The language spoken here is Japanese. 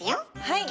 はい。